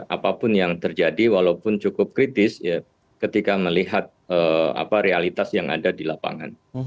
apapun yang terjadi walaupun cukup kritis ketika melihat realitas yang ada di lapangan